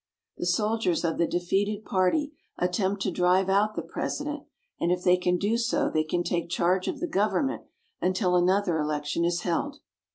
The soldiers of the defeated party at tempt to drive out the president, and if they can do so they take charge of the government until another election is held.